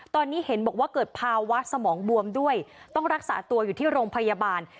ตอนนี้เห็นบอกว่าเกิดภาวะสมองบวมด้วยต้องรักษาตัวอยู่ที่โรงพยาบาล